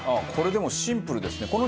これでもシンプルですね。